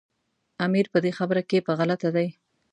امیر په دې خبره کې په غلطه دی.